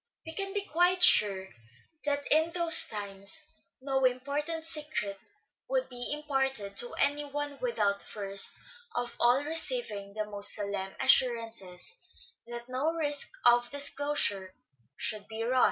We can be quite sure that in those times no important secret would be imparted to any one without first of all receiving the most solemn assur ances that no risk of disclosure should be run.